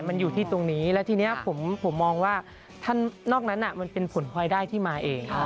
มันอยู่ที่ตรงนี้แล้วทีนี้ผมมองว่าท่านนอกนั้นมันเป็นผลพลอยได้ที่มาเอง